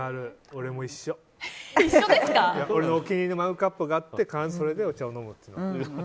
俺もお気に入りのマグカップがあってお茶を飲むっていう。